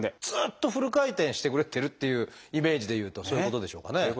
ずっとフル回転してくれてるっていうイメージでいうとそういうことでしょうかね。